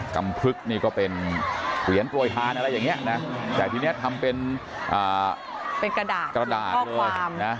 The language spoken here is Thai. กำพลึกนี่ก็เป็นเกลียนโปรยธานอะไรอย่างเงี้ยแต่ทีนี้ทำเป็นกระดาษเลยนะ